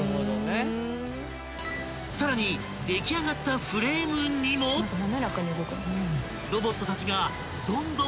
［さらに出来上がったフレームにもロボットたちがどんどん］